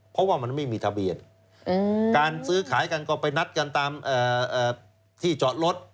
เพราะว่ามันไม่มีทะเบียนการซื้อขายกันก็ไปนัดกันตามที่จอดรถ